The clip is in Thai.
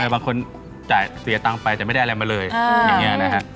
บางคนจ่ายเสียตังค์ไปแต่ไม่ได้อะไรมาเลยอย่างนี้นะฮะ